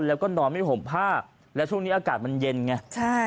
แล้วก็นอนไม่ห่มผ้าแล้วช่วงนี้อากาศมันเย็นไงใช่